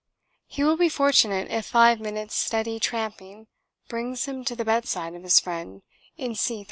He will be fortunate if five minutes' steady tramping brings him to the bedside of his friend in C 13.